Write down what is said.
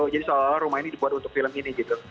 jadi soalnya rumah ini dibuat untuk film ini gitu